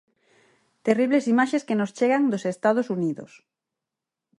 Terribles imaxes que nos chegan dos Estados Unidos.